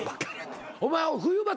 お前冬場